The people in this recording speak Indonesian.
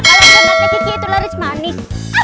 kalau donatnya kiki itu laris manis